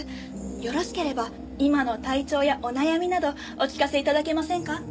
よろしければ今の体調やお悩みなどお聞かせ頂けませんか？